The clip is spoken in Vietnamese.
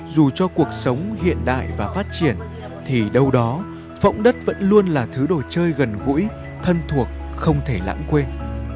dù cho cuộc sống hiện đại và phát triển thì đâu đó phẫu đất vẫn luôn là thứ đồ chơi gần gũi thân thuộc không thể lãng quên